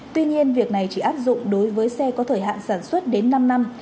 tuy nhiên việc này chỉ áp dụng đối với xe có thời hạn sản xuất đến năm năm